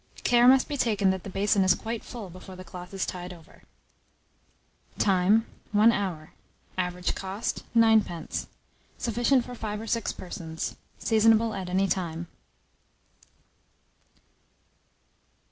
Care must be taken that the basin is quite full before the cloth is tied over. Time. 1 hour. Average cost, 9d. Sufficient for 5 or 6 persons. Seasonable at any time.